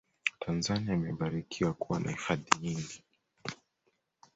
tanzania imebarikiwa kuwa na hifadhi nyingi